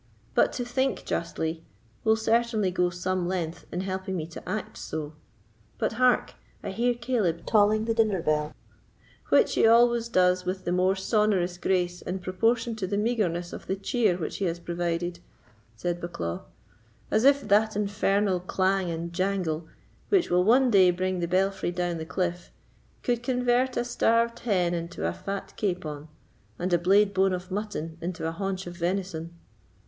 But to think justly will certainly go some length in helping me to act so. But hark! I hear Caleb tolling the dinner bell." "Which he always does with the more sonorous grace in proportion to the meagreness of the cheer which he has provided," said Bucklaw; "as if that infernal clang and jangle, which will one day bring the belfry down the cliff, could convert a starved hen into a fat capon, and a blade bone of mutton into a haunch of venison."